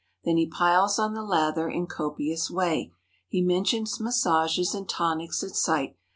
Then he piles on the lather in copious way. He mentions massages and tonics, at sight.